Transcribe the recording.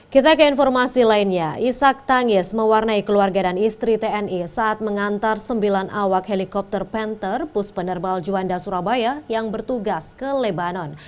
kita ke informasi lainnya isak tangis mewarnai keluarga dan istri tni saat mengantar sembilan awak helikopter panther pus penerbal juanda surabaya yang bertugas ke lebanon